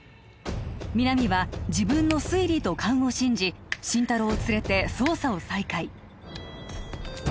皆実は自分の推理と勘を信じ心太朗を連れて捜査を再開